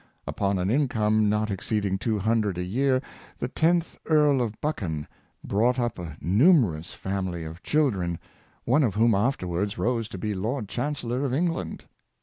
Upon an income not exceeding two hundred a year the Tenth Earl of Buchan brought up a numerous fam ily of children, one of whom afterwards rose to be Lord Chancellor of England.